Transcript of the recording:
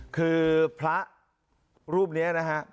คือพระรูปนี้นะฮะ